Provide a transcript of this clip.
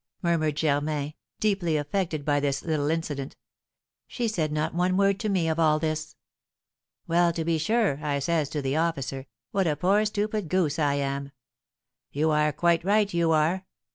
murmured Germain, deeply affected by this little incident; "she said not one word to me of all this." "'Well, to be sure!' I says to the officer; 'what a poor stupid goose I am!' 'You are quite right you are!'